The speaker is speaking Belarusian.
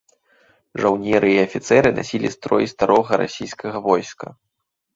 Жаўнеры і афіцэры насілі строй старога расійскага войска.